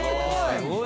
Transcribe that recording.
すごい！」